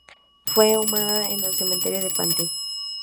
Fue inhumada en el cementerio de Pantin.